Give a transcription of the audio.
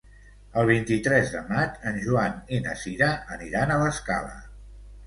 El vint-i-tres de maig en Joan i na Sira aniran a l'Escala.